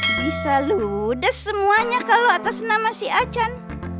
bisa ludes semuanya kalau atas nama si acan